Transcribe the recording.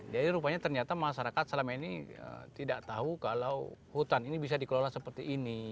jadi rupanya ternyata masyarakat selama ini tidak tahu kalau hutan ini bisa dikelola seperti ini